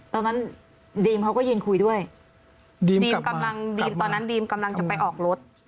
ตอนนั้นดีมเขาก็ยืนคุยด้วยตอนนั้นดีมกำลังจะไปออกรถ